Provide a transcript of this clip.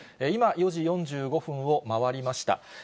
今、４時４５分を回りました。